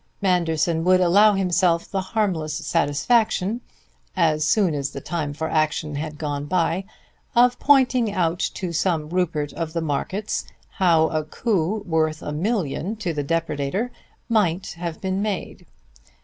Manderson would allow himself the harmless satisfaction, as soon as the time for action had gone by, of pointing out to some Rupert of the markets how a coup worth a million to the depredator might have been made.